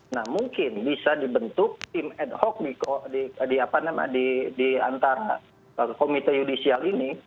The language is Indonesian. nah mungkin bisa dibentuk tim ad hoc di antara komite yudisial ini